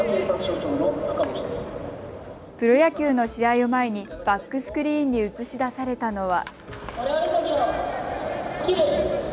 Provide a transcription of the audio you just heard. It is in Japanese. プロ野球の試合を前にバックスクリーンに映し出されたのは。